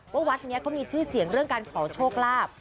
วัดนี้เขามีชื่อเสียงเรื่องการขอโชคลาภ